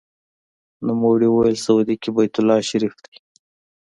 نوموړي وویل: سعودي کې بیت الله شریف دی.